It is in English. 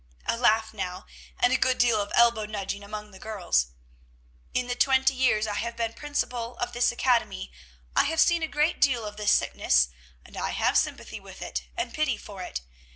A laugh now, and a good deal of elbow nudging among the girls. "In the twenty years I have been principal of this academy, I have seen a great deal of this sickness, and I have sympathy with, and pity for it.